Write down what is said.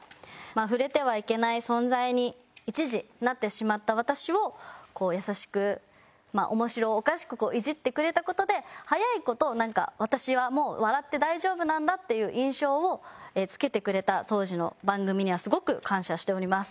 触れてはいけない存在に一時なってしまった私をこう優しく面白おかしくいじってくれた事で早い事なんか私はもう笑って大丈夫なんだっていう印象をつけてくれた当時の番組にはすごく感謝しております。